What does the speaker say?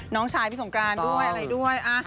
น้องชายพี่สงกรานด้วยอะไรด้วย